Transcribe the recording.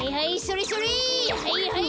はいはい！